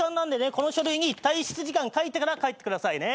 この書類に退出時間書いてから帰ってくださいね。